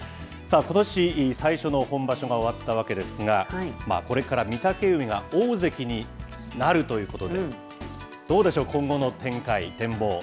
さあ、ことし最初の本場所が終わったわけですが、これから御嶽海が大関になるということで、どうでしょう、今後の展開、展望。